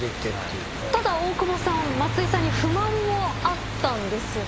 ただ大久保さん松井さんに不満もあったんですよね？